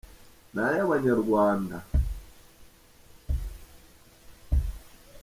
n’ay’abanyarwanda.”